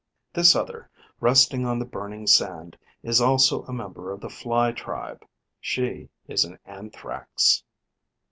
This other, resting on the burning sand, is also a member of the Fly tribe; she is an Anthrax.